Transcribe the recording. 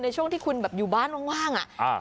ช่วงที่คุณแบบอยู่บ้านว่างอ่ะ